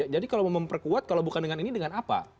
jadi kalau memperkuat kalau bukan dengan ini dengan apa